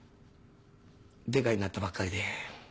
デカになったばっかりで。